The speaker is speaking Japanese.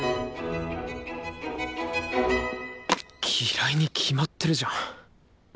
嫌いに決まってるじゃん。